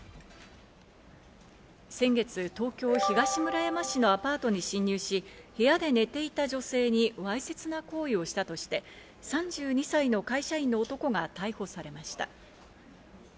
先月、東京・東村山市のアパートに侵入し部屋で寝ていた女性にわいせつな行為をしたとして、３２歳の会社員の男が逮捕されました。